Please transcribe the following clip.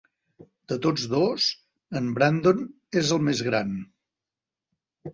De tots dos, en Brandon és el més gran.